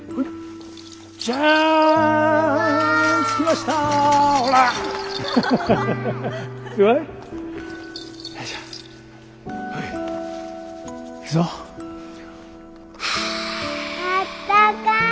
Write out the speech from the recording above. あったかい。